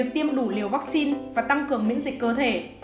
tiêm đủ liều vaccine và tăng cường miễn dịch cơ thể